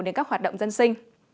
đến các hoạt động dân sinh